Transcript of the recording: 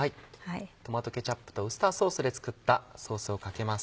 トマトケチャップとウスターソースで作ったソースをかけます。